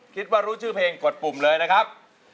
คิดว่ารู้ชื่อเพลงกดปุ่มเลยนะครับ